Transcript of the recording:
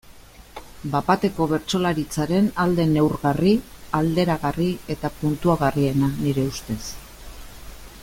Bat-bateko bertsolaritzaren alde neurgarri, alderagarri eta puntuagarriena, nire ustez.